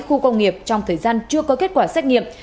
khu công nghiệp trong thời gian chưa có kết quả xét nghiệm